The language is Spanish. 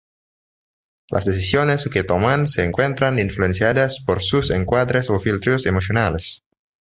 Las decisiones que toman se encuentran influenciadas por sus encuadres o filtros emocionales.